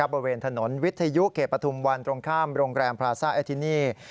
บริเวณถนนวิทยุเขตปฐุมวันตรงข้ามโรงแรมพลาซ่าแอทินี่